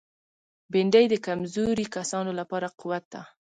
بېنډۍ د کمزوري کسانو لپاره قوت ده